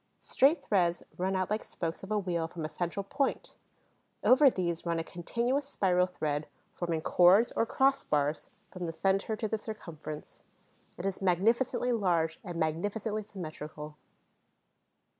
Straight threads run out like spokes of a wheel from a central point. Over these runs a continuous spiral thread, forming chords, or cross bars, from the center to the circumference. It is magnificently large and magnificently symmetrical.